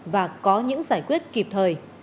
và có những giải quyết kịp thời